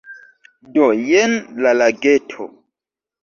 Do, jen la lageto